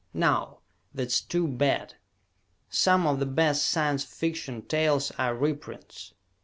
Now, that's too bad. Some of the best Science Fiction tales are reprints.